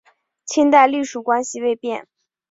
清代隶属关系未变。